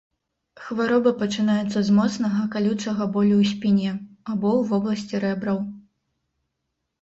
Хвароба пачынаецца з моцнага, калючага болю ў спіне, або ў вобласці рэбраў.